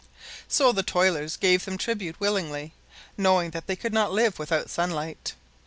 So the toilers gave them tribute willingly, knowing that they could not live without sunlight.